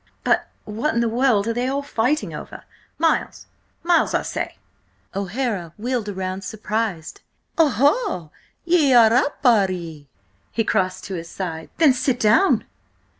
But what in the world are they all fighting over? Miles! Miles, I say!" O'Hara wheeled round, surprised. "Oho! Ye are up, are ye." He crossed to his side. "Then sit down!"